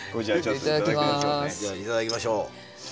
じゃあいただきましょう。